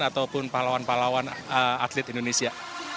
ataupun pahlawan pahlawan atlet indonesia